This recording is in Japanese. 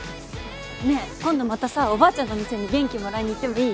ねえ今度またさおばあちゃんの店に元気もらいに行ってもいい？